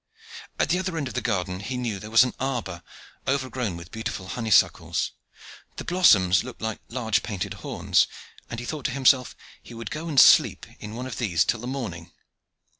At the other end of the garden, he knew there was an arbor, overgrown with beautiful honey suckles. The blossoms looked like large painted horns; and he thought to himself, he would go and sleep in one of these till the morning.